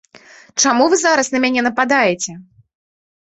Чаму вы зараз на мяне нападаеце?